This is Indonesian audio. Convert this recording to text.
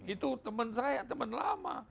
itu teman saya teman lama